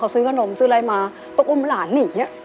เขาซื้อกระหนมซื้ออะไรมาต้องอุ่มหลานหนี